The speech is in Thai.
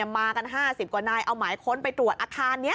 มากัน๕๐กว่านายเอาหมายค้นไปตรวจอาคารนี้